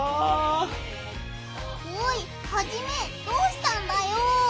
おいハジメどうしたんだよ！